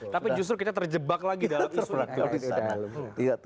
tapi justru kita terjebak lagi dalam isu itu